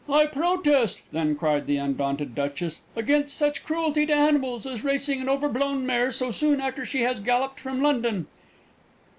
"I protest," then cried the undaunted Duchess, "against such cruelty to animals as racing an overblown mare so soon after she has galloped from London!"